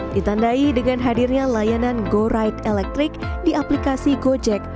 ditandai dengan hadirnya layanan goride electric di aplikasi gojek